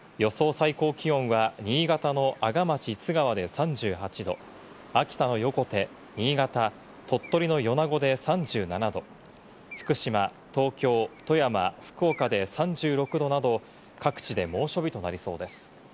最高気温は新潟の阿賀町津川で３８度、秋田の横手、新潟、鳥取の米子で３７度、福島、東京、富山、福岡で３６度など、各地で猛暑日となりそうです。